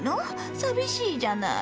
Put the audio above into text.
寂しいじゃない。